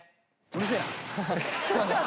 すいません。